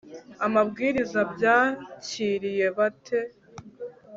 ababwiriza babyakiriye bate